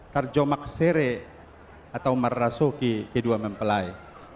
tarjomak sere atau marrasuki kedua mempelai